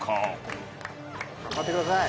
頑張ってください。